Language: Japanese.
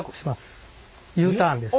Ｕターンです。